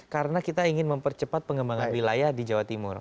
karena kita ingin mempercepat pengembangan wilayah di jawa timur